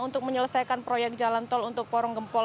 untuk menyelesaikan proyek jalan tol untuk porong gempol